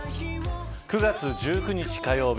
９月１９日火曜日